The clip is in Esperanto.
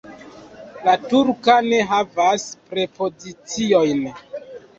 La turka ne havas prepoziciojn.